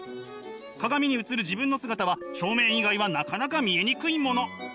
鏡に映る自分の姿は正面以外はなかなか見えにくいもの！